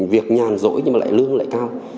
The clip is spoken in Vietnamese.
việc nhàn rỗi nhưng mà lại lương lại cao